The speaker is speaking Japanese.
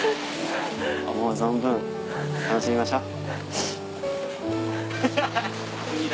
思う存分楽しみましょう。